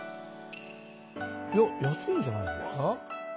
いや安いんじゃないですか？